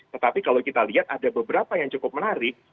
tetapi kalau kita lihat ada beberapa yang cukup menarik